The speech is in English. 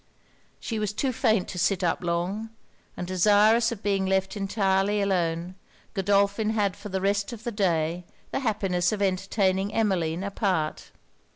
She was too faint to sit up long; and desirous of being left entirely alone, Godolphin had for the rest of the day the happiness of entertaining Emmeline apart.